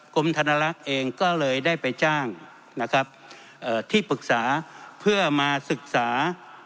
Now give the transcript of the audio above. กรมธนลักษณ์เองก็เลยได้ไปจ้างนะครับที่ปรึกษาเพื่อมาศึกษา